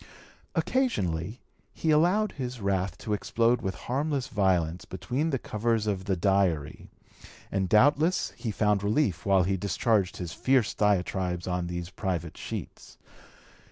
Occasionally he allowed his wrath to explode with harmless violence between the covers of the Diary, and doubtless he found relief while he discharged his fierce diatribes on these private sheets.